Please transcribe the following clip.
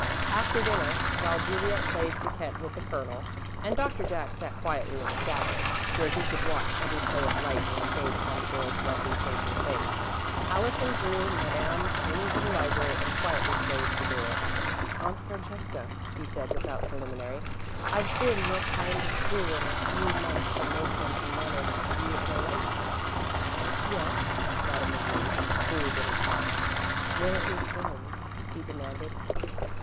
After dinner, while Juliet played piquet with the Colonel, and Doctor Jack sat quietly in the shadow, where he could watch every play of light and shade upon the girl's lovely changing face, Allison drew Madame into the library and quietly closed the door. "Aunt Francesca," he said, without preliminary, "I've been more kinds of a fool in a few months than most men can manage to be in a lifetime." "Yes," Madame agreed, with a cool little smile. "Where is Rose?" he demanded.